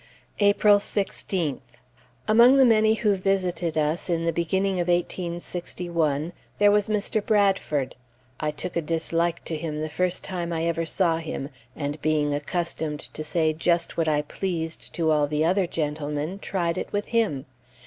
April 16th. Among the many who visited us, in the beginning of 1861, there was Mr. Bradford. I took a dislike to him the first time I ever saw him, and, being accustomed to say just what I pleased to all the other gentlemen, tried it with him.